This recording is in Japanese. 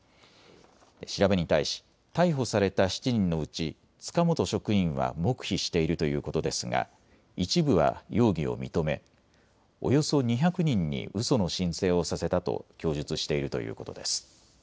調べに対し逮捕された７人のうち塚本職員は黙秘しているということですが一部は容疑を認めおよそ２００人にうその申請をさせたと供述しているということです。